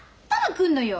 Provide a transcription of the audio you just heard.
来んのよ。